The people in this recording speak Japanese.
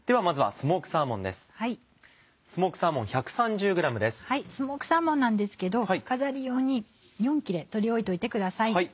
スモークサーモンなんですけど飾り用に４切れ取り置いといてください。